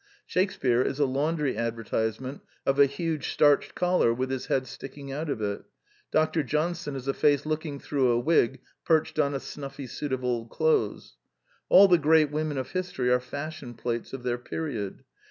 Shakespear is a laundry advertisement of a huge starched collar with his head sticking out of it. Dr. Johnson is a face looking through a wig perched on a snuSy suit of old clothes. All the great women of history are fashion plates of their period.